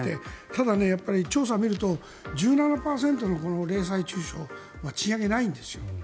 ただ、調査を見ると１７％の零細中小賃上げないんですよ。